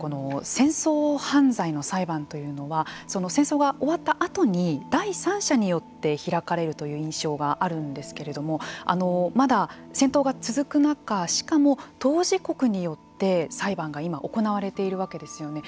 戦争犯罪の裁判というのは戦争が終わったあとに第三者によって開かれるという印象があるんですけれどもまだ戦闘が続く中しかも当事国によって裁判が今行われているわけですよね。